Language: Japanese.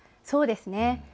そうですね。